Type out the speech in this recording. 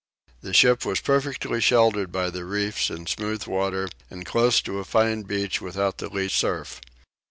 The ship was perfectly sheltered by the reefs in smooth water and close to a fine beach without the least surf.